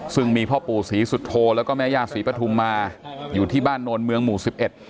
ซึ่งมีพ่อปู่ศรีสุโธแล้วก็แม่ย่าศรีปฐุมมาอยู่ที่บ้านโนนเมืองหมู่สิบเอ็ด